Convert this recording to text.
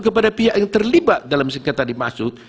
kepada pihak yang terlibat dalam sekitar dimaksud